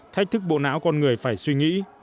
thách thức bộ não con người phải suy nghĩ